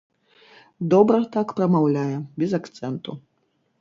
Добра так прамаўляе, без акцэнту.